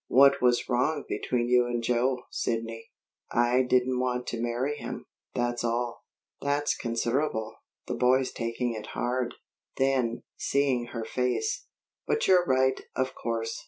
What was wrong between you and Joe, Sidney?" "I didn't want to marry him; that's all." "That's considerable. The boy's taking it hard." Then, seeing her face: "But you're right, of course.